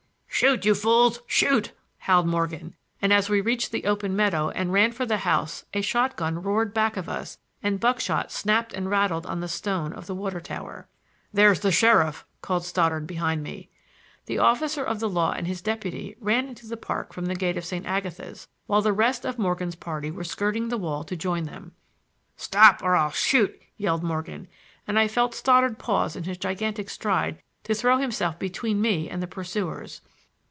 "Shoot, you fools, shoot!" howled Morgan, and as we reached the open meadow and ran for the house a shot gun roared back of us and buckshot snapped and rattled on the stone of the water tower. "There's the sheriff," called Stoddard behind me. The officer of the law and his deputy ran into the park from the gate of St. Agatha's, while the rest of Morgan's party were skirting the wall to join them. "Stop or I'll shoot," yelled Morgan, and I felt Stoddard pause in his gigantic stride to throw himself between me and the pursuers.